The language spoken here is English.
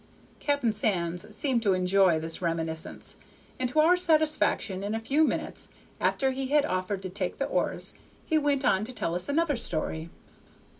'" Captain Sands seemed to enjoy this reminiscence, and to our satisfaction, in a few minutes, after he had offered to take the oars, he went on to tell us another story.